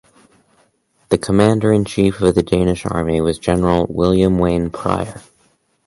The Commander in chief of the Danish army was General William Wain Prior.